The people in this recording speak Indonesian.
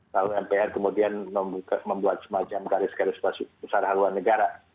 lalu mpr kemudian membuat semacam garis garis besar haluan negara